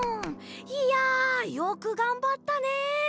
いやよくがんばったね！